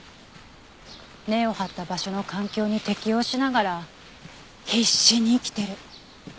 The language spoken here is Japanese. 根を張った場所の環境に適応しながら必死に生きてる。